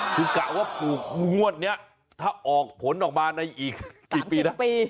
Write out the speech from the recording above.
คือกะว่าปลูกงวดนี้ถ้าออกผลออกมาในอีกกี่ปีนะ